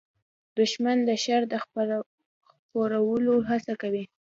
دښمن د شر د خپرولو هڅه کوي